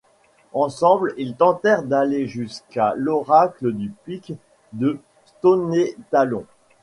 Ensemble, ils tentèrent d’aller jusqu’à l’Oracle du Pic de Stonetalon.